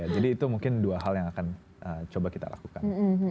jadi itu mungkin dua hal yang akan coba kita lakukan